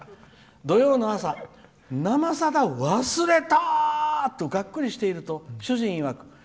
土曜の朝「生さだ」忘れた！とがっくりしていると主人いわく